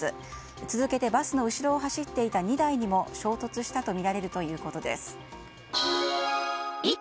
続けてばすの後ろを走っていた２台にも衝突したとみられるということです。